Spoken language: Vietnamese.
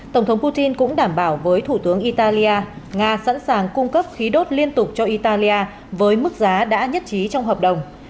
tổng thống putin cũng đảm bảo với thủ tướng italia nga sẵn sàng cung cấp khí đốt liên tục cho italia với mức giá đã nhất trí trong hợp đồng